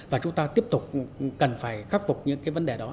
và chúng ta tiếp tục cần phải khắc phục những cái vấn đề đó